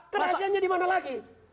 kehahasiannya dimana lagi